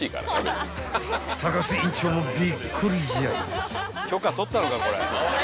［高須院長もびっくりじゃい］